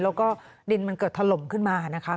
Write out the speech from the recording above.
แล้วก็ดินมันเกิดถล่มขึ้นมานะคะ